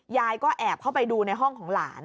ยายก็แอบเข้าไปดูในห้องของหลาน